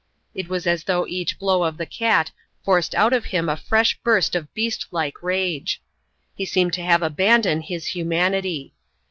It was as though each blow of the cat forced out of him a fresh burst of beast like rage. He seemed to have abandoned his humanity.